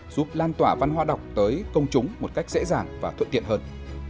giúp lan tỏa văn hóa đọc tới công chúng một cách dễ dàng và thuận tiện hơn